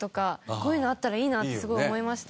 こういうのあったらいいなってすごい思いました。